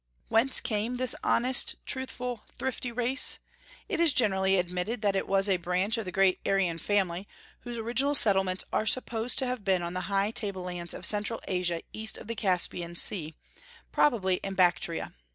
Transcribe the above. Whence came this honest, truthful, thrifty race? It is generally admitted that it was a branch of the great Aryan family, whose original settlements are supposed to have been on the high table lands of Central Asia east of the Caspian Sea, probably in Bactria.